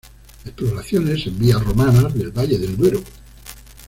Exploraciones en vías romanas del valle del Duero.